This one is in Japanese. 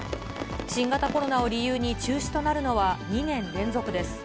新型コロナを理由に中止となるのは２年連続です。